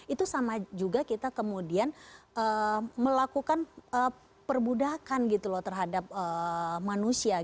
itu sama juga kita kemudian melakukan perbudakan terhadap manusia